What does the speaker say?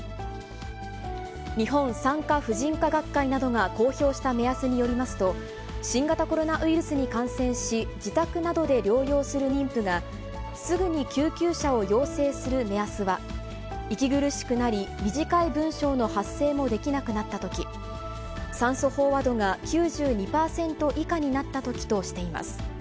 日本産科婦人科学会などが公表した目安によりますと、新型コロナウイルスに感染し、自宅などで療養する妊婦が、すぐに救急車を要請する目安は、息苦しくなり、短い文章の発声もできなくなったとき、酸素飽和度が９２％以下になったときとしています。